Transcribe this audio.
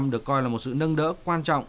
được coi là một sự nâng đỡ quan trọng